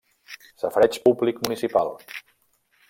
Safareig públic municipal.